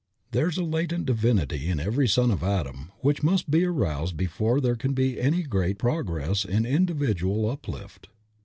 There is a latent divinity in every son of Adam, which must be aroused before there can be any great progress in individual uplift.